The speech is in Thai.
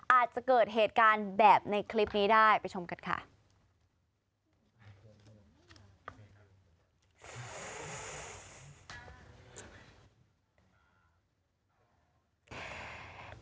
อาจจะเกิดเหตุการณ์แบบในคลิปนี้ได้ไปชมกันค่ะ